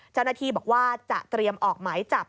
เจ้าหน้าที่บอกว่าจะเตรียมออกหมายจับ